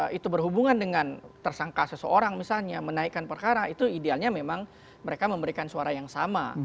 kalau itu berhubungan dengan tersangka seseorang misalnya menaikkan perkara itu idealnya memang mereka memberikan suara yang sama